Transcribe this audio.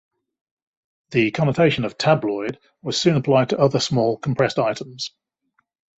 The connotation of "tabloid" was soon applied to other small compressed items.